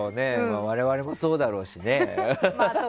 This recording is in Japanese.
我々もそうだろうしね。